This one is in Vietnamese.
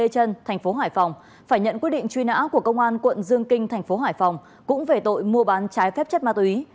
thành phố hải phòng phải nhận quyết định truy nã của công an quận dương kinh tp hải phòng cũng về tội mua bán trái phép chất ma túy